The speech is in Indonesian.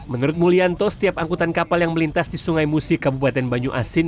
menurut mulyanto setiap angkutan kapal yang melintas di sungai musi kabupaten banyu asin